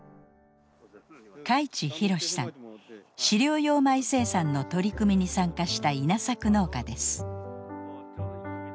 飼料用米生産の取り組みに参加した稲作農家です。